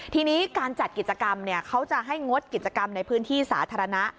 ทีนี้การจัดกิจกรรมเขาจะให้งดกิจกรรมในพื้นที่สาธารณะ